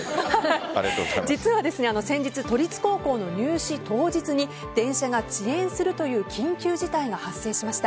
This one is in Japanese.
実は先日、都立高校の入試当日に電車が遅延するという緊急事態が発生しました。